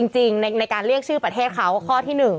จริงในการเรียกชื่อประเทศเขาข้อที่๑